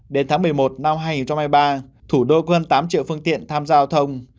đến tháng một mươi một năm hai nghìn hai mươi ba thủ đô hơn tám triệu phương tiện tham gia giao thông